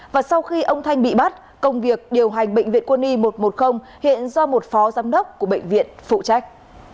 và sau khi ông thanh bị bắt công việc điều hành bệnh viện quân y một trăm một mươi hiện do một phó giám đốc của bệnh viện phụ trách